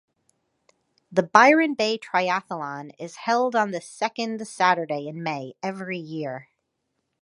The Byron Bay Triathlon is held on the second Saturday in May every year.